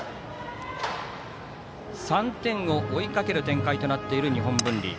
３点を追いかける展開となっている、日本文理。